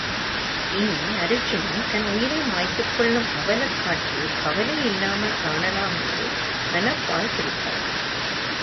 இனி அருச்சுனன் தன் உயிரை மாய்த்துக் கொள்ளும் அவலக்காட்சியைக் கவலை இல்லாமல் காணலாம் என்று மனப்பால் குடித்தான்.